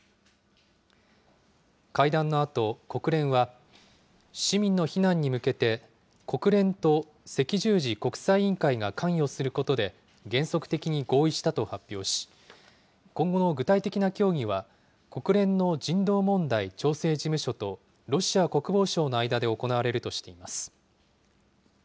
会談のあと、国連は、市民の避難に向けて、国連と赤十字国際委員会が関与することで、原則的に合意したと発表し、今後の具体的な協議は、国連の人道問題調整事務所とロシア国防省の間で行われるとしています。